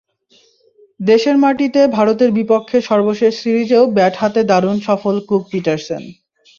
দেশের মাটিতে ভারতের বিপক্ষে সর্বশেষ সিরিজেও ব্যাট হাতে দারুণ সফল কুক-পিটারসেন।